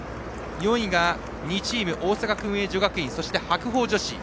４位が２チーム大阪薫英女学院そして白鵬女子。